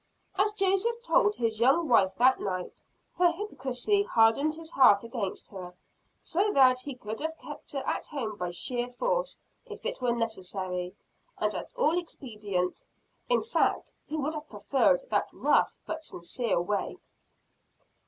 As Joseph told his young wife that night, her hypocrisy hardened his heart against her; so that he could have kept her at home by sheer force, if it were necessary, and at all expedient in fact he would have preferred that rough but sincere way.